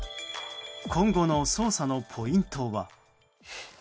今後の捜査のポイントは。